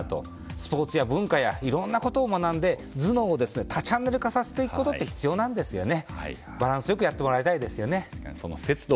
スポーツや文化やいろんなことを学んで頭脳を多チャンネル化させることが必要なんですよね。